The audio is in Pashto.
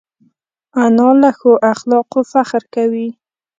انا له ښو اخلاقو فخر کوي